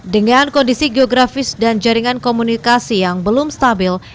dengan kondisi geografis dan jaringan komunikasi yang belum stabil